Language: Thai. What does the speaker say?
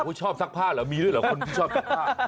ชอบซักผ้าเหรอมีด้วยเหรอคนที่ชอบซักผ้า